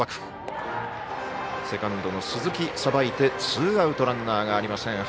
セカンドの鈴木さばいてツーアウトランナーありません